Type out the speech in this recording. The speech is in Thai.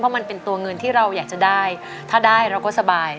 มันเป็นตัวเงินที่เราอยากจะได้ถ้าได้เราก็สบาย